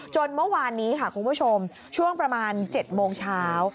เมื่อวานนี้ค่ะคุณผู้ชมช่วงประมาณ๗โมงเช้า